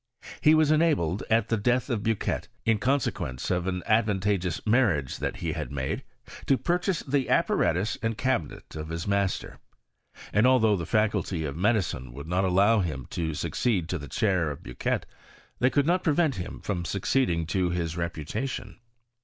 He was enabled at the eath of Bucquet, in consequence of an advan PROGRESS OF CHEMISTRY IN FRANCE. 169 « tageous marriage that he had made, to purchase the apparatus and cabinet of his master ; and although the faculty of medicine would not allow him to suc ceed to the chair of Bucquet, they could not pre vent him from succeeding to his reputation.